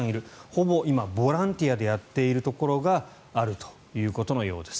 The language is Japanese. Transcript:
ほぼ今、ボランティアでやっているところがあるということのようです。